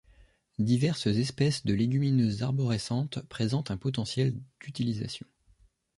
Diverses espèces de légumineuses arborescentes présentent un potentiel d'utilisation.